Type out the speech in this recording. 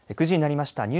９時になりました。